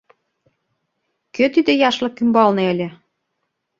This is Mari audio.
Кӧ тиде яшлык ӱмбалне ыле?